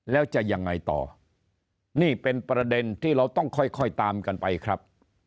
แล้วจะยังไงต่อนี่เป็นประเด็นที่เราต้องค่อยตามกันไปครับ